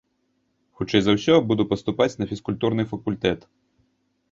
Хутчэй за ўсё, буду паступаць на фізкультурны факультэт.